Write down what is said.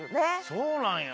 そうなんや。